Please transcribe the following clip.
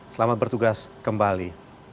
selamat bertugas kembali